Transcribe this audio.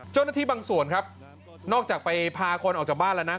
เจ้าหน้าที่บางส่วนครับนอกจากไปพาคนออกจากบ้านแล้วนะ